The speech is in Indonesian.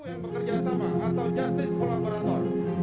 yang bekerja sama atau justice kolaborator